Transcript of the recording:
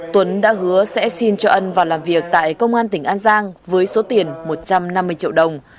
tuấn đã hứa sẽ xin cho ân vào làm việc tại công an tỉnh an giang với số tiền một trăm năm mươi triệu đồng